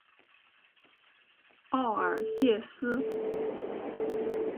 奥尔谢斯。